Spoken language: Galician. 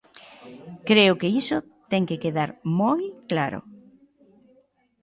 Creo que iso ten que quedar moi claro.